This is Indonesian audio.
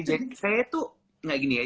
jadi saya tuh gak gini ya